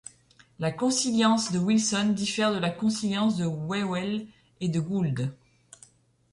La consilience de Wilson diffère de la consilience de Whewell et de Gould.